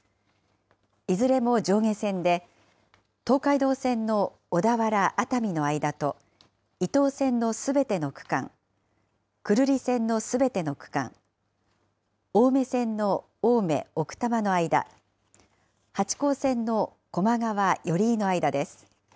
いずれも上下線で、東海道線の小田原・熱海の間と、伊東線のすべての区間、久留里線のすべての区間、青梅線の青梅・奥多摩の間、八高線の高麗川・寄居の間です。